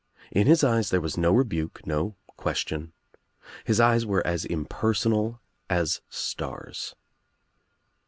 In his eyes there was no rebuke, no question. His eyes were as impersonal as stars.